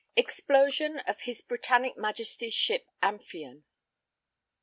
EXPLOSION OF HIS B. MAJESTY'S SHIP AMPHION.